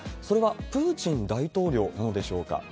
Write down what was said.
それはプーチン大統領なのでしょうか。